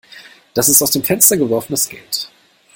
Das ist aus dem Fenster geworfenes Geld.